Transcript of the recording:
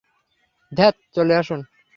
ধ্যাৎ, চলে আসুন।